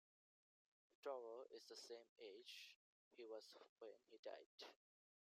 Toro is the same age he was when he died.